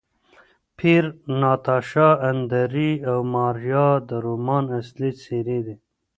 پییر، ناتاشا، اندرې او ماریا د رومان اصلي څېرې دي.